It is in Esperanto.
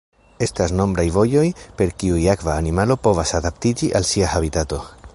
Estas nombraj vojoj per kiuj akva animalo povas adaptiĝi al sia habitato.